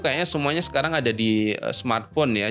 kayaknya semuanya sekarang ada di smartphone ya